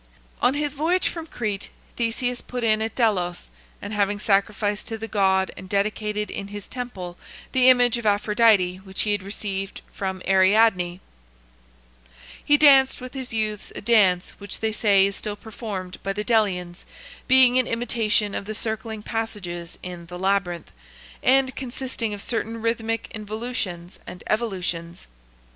XXI. On his voyage from Crete, Theseus put in at Delos, and having sacrificed to the god and dedi cated in his temple the image of Aphrodite which he had received from Ariadne, he danced with his youths a dance which they say is still performed by the Delians, being an imitation of the circling passages in the Labyrinth, and consisting of certain rhythmic involutions and evolutions.